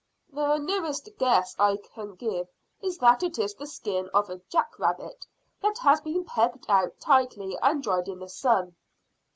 "The nearest guess I can give is that it is the skin of a jack rabbit that has been pegged out tightly and dried in the sun."